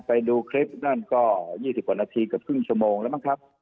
ไปดูคลิปนั่นก็๒๐กว่านาทีเกือบครึ่งชั่วโมงแล้วมั้งครับ